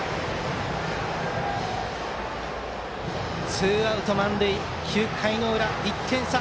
ツーアウト満塁９回の裏、１点差。